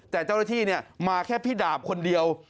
แต่เจ้าหน้าที่มาแค่พี่ดาบคนเดียว